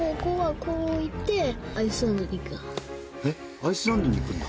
アイスランドに行くんだ？